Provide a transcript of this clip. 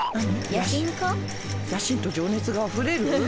野心と情熱があふれる？